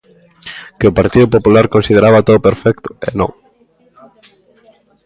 Que o Partido Popular consideraba todo perfecto, e non.